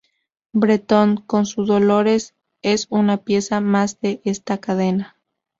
Bretón, con su Dolores, es una pieza más de esta cadena.